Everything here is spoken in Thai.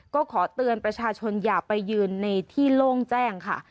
ก็ขอเตือนประชาชนอย่าไปยืนในที่โล่งแจ้งค่ะ